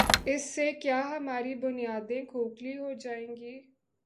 اس سے کیا ہماری بنیادیں کھوکھلی ہو جائیں گی؟